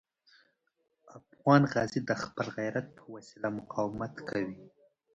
افغان غازي د خپل غیرت په وسیله مقاومت کوي.